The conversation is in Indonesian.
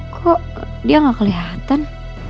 kok dia gak kelihatan